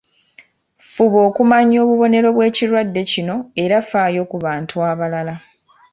Fuba okumanya obubonero bw’ekirwadde kino era faayo ku bantu abalala.